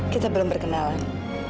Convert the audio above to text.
kita belum berkenalan